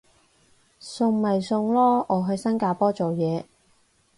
送咪送咯，我去新加坡做嘢